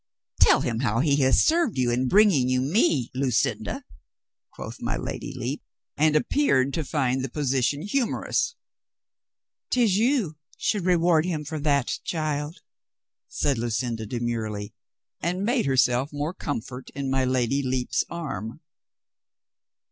"Tell him how he has served you in bringing you me, Lucinda," quoth my Lady Lepe, and appeared to find the position humorous. " 'Tis you should reward him for that, child," said Lucinda demurely, and made herself more com fort in my Lady Lepe's arm.